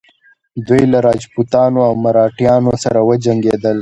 دوی له راجپوتانو او مراتیانو سره وجنګیدل.